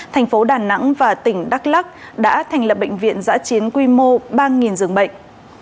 thành phố đà nẵng và tỉnh đắk lắc đã thành lập bệnh viện giã chiến quy mô ba giường bệnh